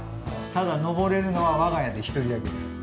ただ登れるのは我が家で１人だけです。